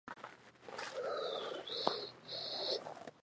The pavilions would often include ethnic food, displays and entertainment.